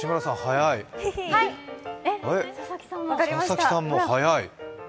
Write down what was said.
佐々木さんも早い。